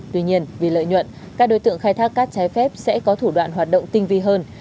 tuy nhiên vì lợi nhuận các đối tượng khai thác cát trái phép sẽ có thủ đoạn hoạt động tinh vi hơn